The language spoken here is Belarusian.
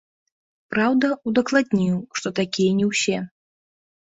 Праўда, удакладніў, што такія не ўсе.